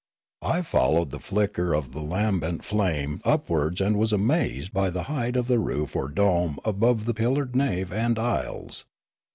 I followed the flicker of the lambent flame upwards and was amazed by the height of the 142 Riallaro roof or dome above the pillared nave and aisles.